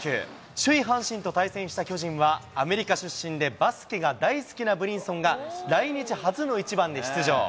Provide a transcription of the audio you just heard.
首位阪神と対戦した巨人は、アメリカ出身でバスケが大好きなブリンソンが、来日初の１番で出場。